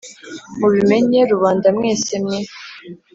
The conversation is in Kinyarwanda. mubimenye, rubanda mwese mwe!